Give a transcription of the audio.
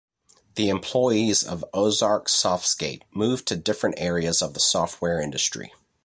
The employees of Ozark Softscape moved to different areas of the software industry.